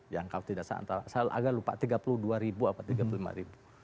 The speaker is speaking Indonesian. yang kalau tidak salah saya agak lupa tiga puluh dua ribu apa tiga puluh lima ribu